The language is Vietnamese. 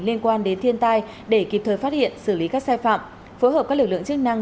liên quan đến thiên tai để kịp thời phát hiện xử lý các sai phạm phối hợp các lực lượng chức năng